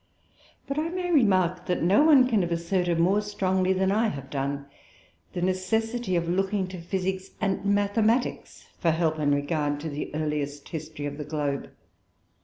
But I may remark that no one can have asserted more strongly than I have done, the necessity of looking to physics and mathematics, for help in regard to the earliest history of the globe.